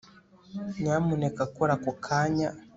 Nyamuneka kora ako kanya